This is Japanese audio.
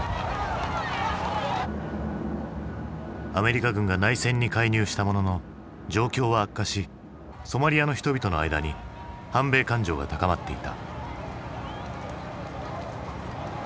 アメリカ軍が内戦に介入したものの状況は悪化しソマリアの人々の間に反米感情が高まっていた。